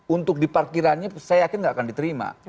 untuk di parkirannya saya yakin tidak akan diterima